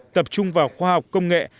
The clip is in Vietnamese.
tập trung vào khoa học công nghệ